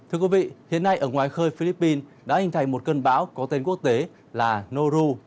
hiện nay ở ngoài khơi philippines đã hình thành một cơn bão có tên quốc tế là noru